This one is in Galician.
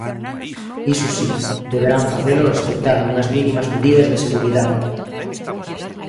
Iso si, deberán facelo respectando unhas mínimas medidas de seguridade.